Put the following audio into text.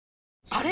あれ？